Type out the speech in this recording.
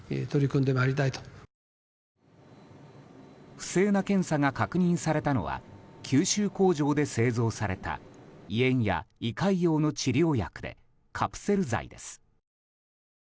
不正な検査が確認されたのは九州工場で製造された胃炎や胃潰瘍の治療薬でカプセル剤です。